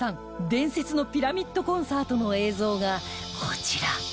伝説のピラミッドコンサートの映像がこちら